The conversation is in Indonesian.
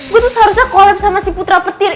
gue tuh seharusnya collab sama putra petir